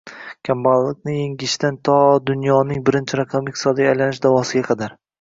Kambag‘allikni yengishdan to dunyoning birinchi raqamli iqtisodiyotiga aylanish da’vosiga qadar